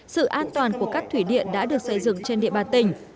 sự an toàn của các thủy điện đã được xây dựng trên địa bàn tỉnh